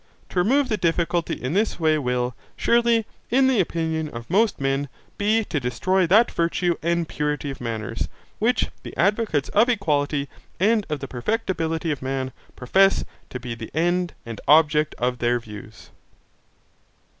To remove the difficulty in this way will, surely, in the opinion of most men, be to destroy that virtue and purity of manners, which the advocates of equality, and of the perfectibility of man, profess to be the end and object of their views.